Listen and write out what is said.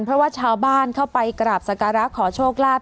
เพราะว่าชาวบ้านเข้าไปกราบสการะขอโชคลาภ